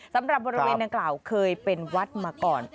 สำหรับบริเวณดังกล่าวเคยเป็นวัดมาก่อน